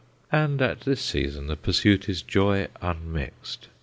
And at this season the pursuit is joy unmixed.